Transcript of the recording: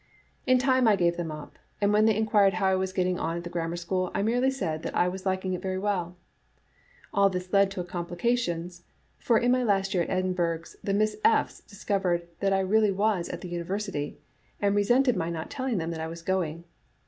In time I gave them up ; and when they inquired how I was get ting on at the Grammar School, I merely said that I was liking it very well. All this has led to complica tions, for in my last year at Edinburgh the Miss P. 's discovered that I really was at the University, and re sented my not telling them that I was going.